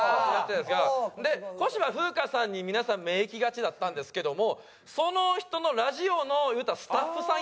で小芝風花さんに皆さん目いきがちだったんですけどもその人のラジオのいうたらスタッフさん役で。